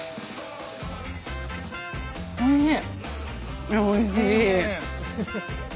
おいしい。